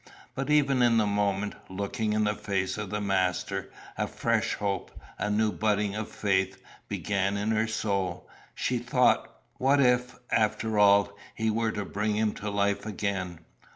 But even in the moment, looking in the face of the Master, a fresh hope, a new budding of faith, began in her soul. She thought 'What if, after all, he were to bring him to life again!